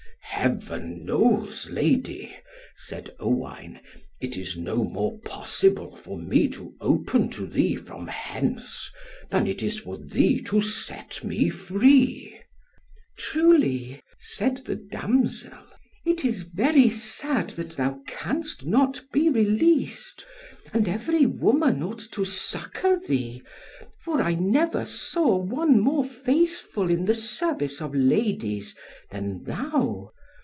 "Heaven knows, Lady," said Owain, "it is no more possible for me to open to thee from hence, than it is for thee to set me free." "Truly," said the damsel, "it is very sad that thou canst not be released, and every woman ought to succour thee, for I never saw one more faithful in the service of ladies than thou.